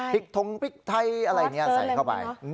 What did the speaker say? พริกทงพริกไทยอะไรนี้ใส่เข้าไป